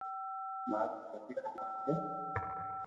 مارو نوم اجيت ڪمار ھي